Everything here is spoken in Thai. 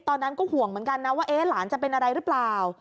ตอนนั้นก็ห่วงเหมือนกันนะว่าหลานจะเป็นอะไรหรือเปล่า